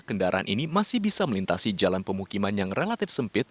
kendaraan ini masih bisa melintasi jalan pemukiman yang relatif sempit